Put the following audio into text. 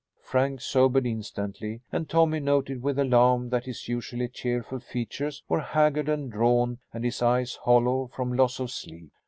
Frank sobered instantly, and Tommy noted with alarm that his usually cheerful features were haggard and drawn and his eyes hollow from loss of sleep.